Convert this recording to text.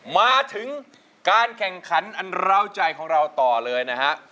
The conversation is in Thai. มาถึงการแข่งขันอันร้าวใจของเราต่อเลยนะฮะ